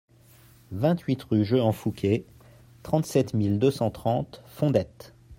vingt-huit rue Jehan Fouquet, trente-sept mille deux cent trente Fondettes